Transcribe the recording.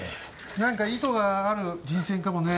何か意図がある人選かもね。